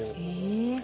え。